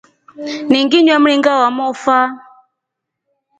Ni nginywa mringa wa mofa.